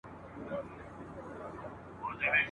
پر زمري باندي د سختو تېرېدلو !.